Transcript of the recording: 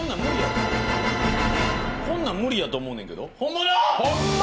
こんなん無理やと思うねんけど？